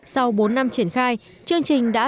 sau bốn năm triển khai chương trình đã